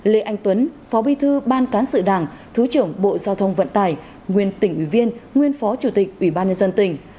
lê anh tuấn phó bi thư ban cán sự đảng thứ trưởng bộ giao thông vận tải nguyên tỉnh ủy viên nguyên phó chủ tịch ủy ban nhân dân tỉnh